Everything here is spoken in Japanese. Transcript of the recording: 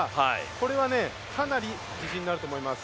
これは、かなり自信になると思います。